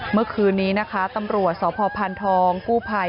เมื่อคืนนี้นะคะตำรวจสพพานทองกู้ภัย